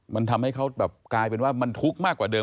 มันทำให้เขาแบบกลายเป็นว่ามันทุกข์มากกว่าเดิ